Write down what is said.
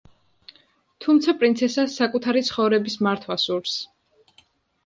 თუმცა პრინცესას საკუთარი ცხოვრების მართვა სურს.